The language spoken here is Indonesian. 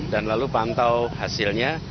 dan lalu pantau hasilnya